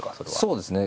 そうですね。